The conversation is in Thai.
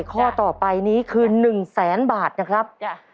ข้อต่อไปนี้คือ๑แสนบาทนะครับ